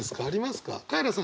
カエラさんある？